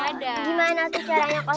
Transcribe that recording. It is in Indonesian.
gimana tuh caranya kalau simpul mati